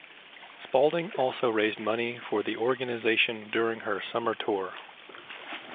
Spalding also raised money for the organization during her summer tour.